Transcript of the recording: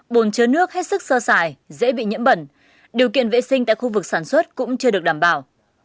bồn chứa nước hết sức sơ xài dễ bị nhiễm bẩn điều kiện vệ sinh tại khu vực sản xuất cũng chưa được đảm bảo